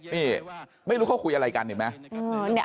นี่ไม่รู้เขาคุยอะไรกันเห็นไหม